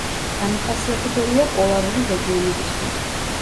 დამახასიათებელია პოლარული რეგიონებისთვის.